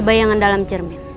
bayangan dalam cermin